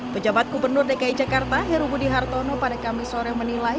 pejabat gubernur dki jakarta heru budi hartono pada kamis sore menilai